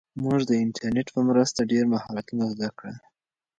موږ د انټرنیټ په مرسته ډېر مهارتونه زده کړل.